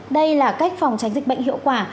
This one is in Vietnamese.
đây là cách phòng tránh dịch bệnh hiệu quả